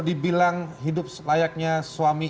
dibilang hidup layaknya suami